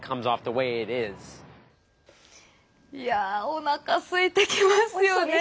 おなか、すいてきますよね。